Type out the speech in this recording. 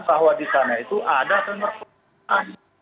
bahwa di sana itu ada pemeriksaan